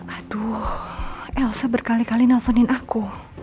aduh elsa berkali kali nelfonin aku